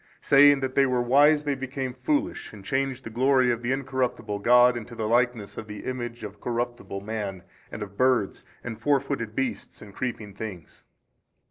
Saying that they were wise they became foolish and changed the glory of the Incorruptible God into the likeness of the image of corruptible man and of birds and four footed beasts and creeping things.